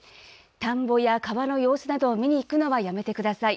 田んぼや川の様子などを見に行くのはやめてください。